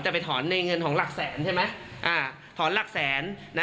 แต่ไปถอนในเงินของหลักแสนใช่ไหมถอนหลักแสน